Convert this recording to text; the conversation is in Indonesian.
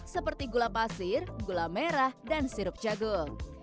seperti gula pasir gula merah dan sirup jagung